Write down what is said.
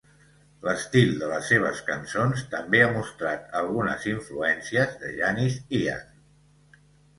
L'estil de les seves cançons també ha mostrat algunes influències de Janis Ian.